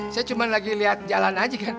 saya cuma lagi lihat jalan aja kan